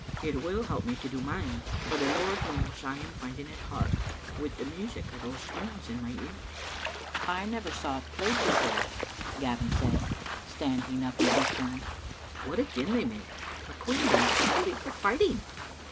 It will help me to do mine, for the Lord knows I am finding it hard, with the music of these stones in my ears." Digitized by VjOOQ IC t%e (turiing Seaeoh. 105 •I never saw it played before," Gavin said, standing tip in his turn. " What a din they make ! McQueen, I believe they are fighting!"